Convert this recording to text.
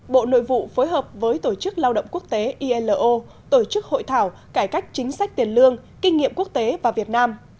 bộ nội vụ phối hợp với tổ chức lao động quốc tế ilo tổ chức hội thảo cải cách chính sách tiền lương kinh nghiệm quốc tế và việt nam